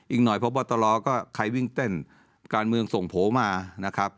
อีกหน่อยพบตรก็ใครวิ่งเต้นการเมืองส่งโผล่มานะครับ